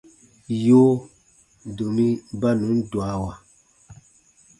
Yoo, domi ba nùn dwawa.